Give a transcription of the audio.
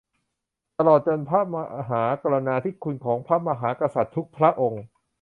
ตลอดจนพระมหากรุณาธิคุณของพระมหากษัตริย์ทุกพระองค์